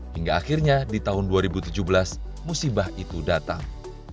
hingga akhirnya di tahun dua ribu tujuh belas musibah itu datang